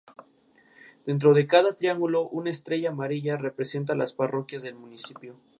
Dentro de cada triángulo, una estrella amarilla representa las parroquias del municipio.